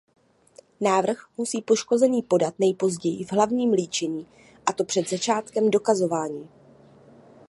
Návrh musí poškozený podat nejpozději v hlavním líčení a to před začátkem dokazování.